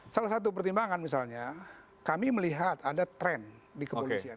salah satu pertimbangan misalnya kami melihat ada tren di kepolisian